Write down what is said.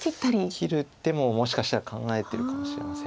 切る手ももしかしたら考えてるかもしれません。